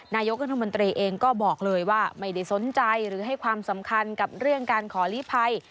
นายกรัฐมนตรีเองก็บอกเลยว่าไม่ได้สนใจหรือให้ความสำคัญกับเรื่องการขอลีภัย